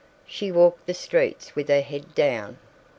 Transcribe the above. She walked the streets with her head down.